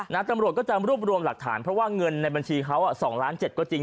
ตำรวจก็จะรวบรวมหลักฐานเพราะว่าเงินในบัญชีเขา๒ล้านเจ็ดก็จริง